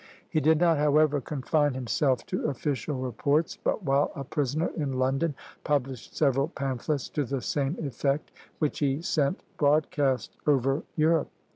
" He did not, however, confine himself to official reports, but while a prisoner in London published several pamphlets to the same effect, which he sent broadcast over Europe.